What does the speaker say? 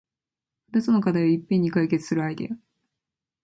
ふたつの課題をいっぺんに解決するアイデア